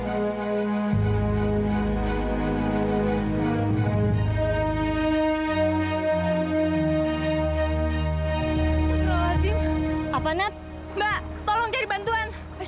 orang orang menemukan pria di dekat sungai